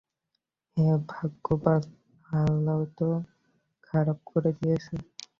হে ভগবান, হালত খারাপ করে দিয়েছে।